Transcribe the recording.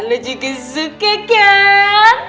lo juga suka kan